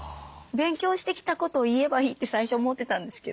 勉強してきたことを言えばいいって最初思ってたんですけど